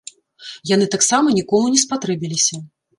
Яны таксама нікому не спатрэбіліся.